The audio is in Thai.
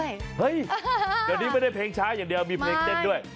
เฮ้ยเดี๋ยวนี้ไม่ได้เพลงช้าอย่างเดียวมีเพลงเต้นด้วย